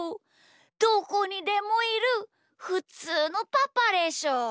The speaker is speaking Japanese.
どこにでもいるふつうのパパでしょ。